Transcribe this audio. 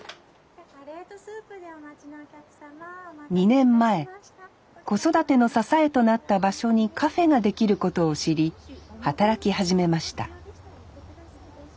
２年前子育ての支えとなった場所にカフェができることを知り働き始めました